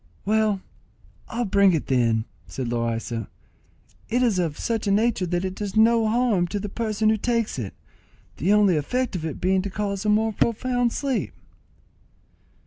"Well, I'll bring it then," said Loaysa. "It is of such a nature that it does no harm to the person who takes it; the only effect of it being to cause a most profound sleep."